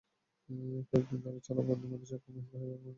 কয়েক দিন ধরে চলা বন্যায় মানুষজন কর্মহীন হয়ে মানবেতর জীবন কাটাচ্ছে।